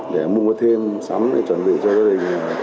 để mua thêm sắm để chuẩn bị cho gia đình